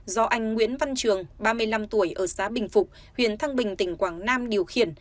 do anh nguyễn văn trường ba mươi năm tuổi ở xã bình phục huyện thăng bình tỉnh quảng nam điều khiển